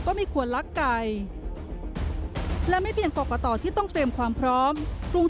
ก็ไม่ควรลักไกล